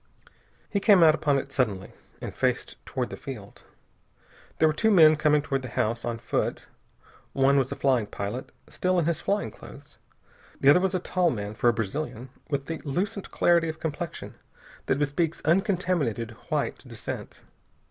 He came out upon it suddenly, and faced toward the field. There were two men coming toward the house, on foot. One was a flying pilot, still in his flying clothes. The other was a tall man, for a Brazilian, with the lucent clarity of complexion that bespeaks uncontaminated white descent.